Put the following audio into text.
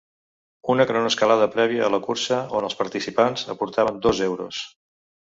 Una cronoescalada prèvia a la cursa, on els participants aportaven dos euros.